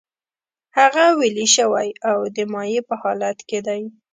هغه ویلې شوی او د مایع په حالت کې دی.